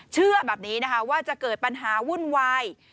เชื่อแบบนี้นะคะว่าจะเกิดปัญหาวุ่นวาย